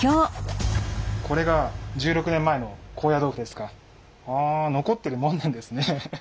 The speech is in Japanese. これが１６年前の高野豆腐ですか。はあ残ってるものなんですね。